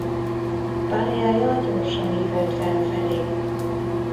Pályája gyorsan ívelt felfelé.